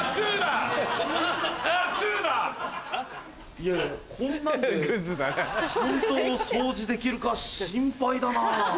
いやいやこんなんで本当掃除できるか心配だな。